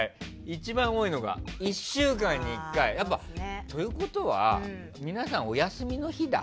一番多いのが１週間に１回。ということは皆さんお休みの日だ。